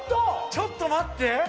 ちょっと待って。